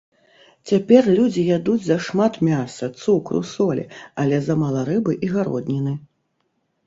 Цяпер людзі ядуць зашмат мяса, цукру, солі, але замала рыбы і гародніны.